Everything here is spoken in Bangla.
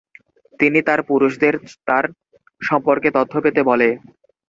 তিনি তার পুরুষদের তার সম্পর্কে তথ্য পেতে বলে।